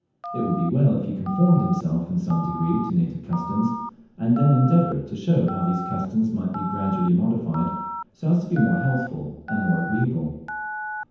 It would be well if he conformed himself in some degree to native customs, and then endeavoured to show how these customs might be gradually modified, so as to be more healthful and more agreeable.